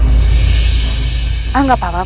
ah enggak papa